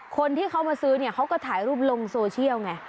คนที่เขามาซื้อเนี่ยเขาก็ถ่ายรูปลงโซเชียลไง